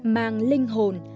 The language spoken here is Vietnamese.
mang linh hồn